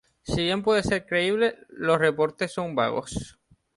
Si bien puede ser creíble, los reportes son vagos.